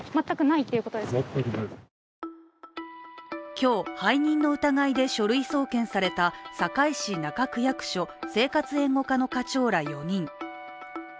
今日、背任の疑いで書類送検された堺市中区役所生活援護課の課長ら４人。